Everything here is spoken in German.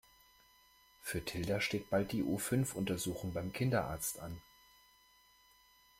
Für Tilda steht bald die U-Fünf Untersuchung beim Kinderarzt an.